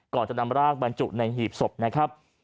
ก่อนจะนำร่างบรรจุในหีบศพนะครับ